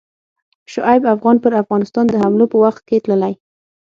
شعیب افغان پر افغانستان د حملو په وخت کې تللی.